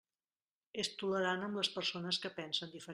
És tolerant amb les persones que pensen diferent.